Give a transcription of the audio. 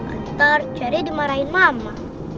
entar jerry dimarahin mama